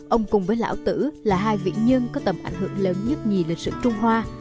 ông cùng với lão tử là hai vị nhân có tầm ảnh hưởng lớn nhất nhì lịch sử trung hoa